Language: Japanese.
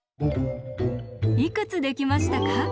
いくつできましたか？